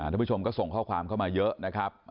ทุกผู้ชมก็ส่งข้อความเข้ามาเยอะนะครับ